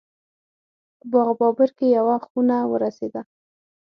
په باغ بابر کې یوه خونه ورسېده.